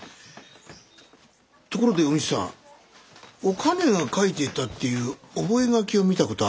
ところでお美津さんお兼が書いてたっていう覚書を見た事あるかい？